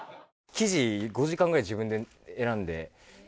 生地５時間ぐらい自分で選んで。